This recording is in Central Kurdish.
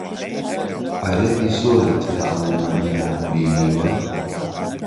عەرەبی زۆرت لە ئەڵمانیا بینیوە؟